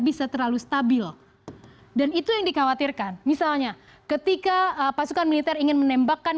bisa terlalu stabil dan itu yang dikhawatirkan misalnya ketika pasukan militer ingin menembakkan